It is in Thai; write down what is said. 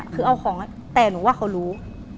คือเอาของแต่หนูว่าเขารู้